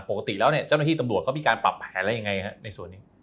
ปกติแล้วเจ้าหน้าที่ตำรวจมีการปรับแผนอะไรยังไง